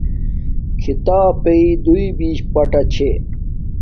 کھیتاپݵ دو بیش پاٹے شھے